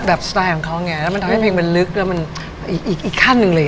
สไตล์ของเขาไงแล้วมันทำให้เพลงมันลึกแล้วมันอีกขั้นหนึ่งเลย